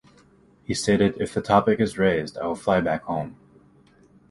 He stated "If the topic is raised, I will fly back home".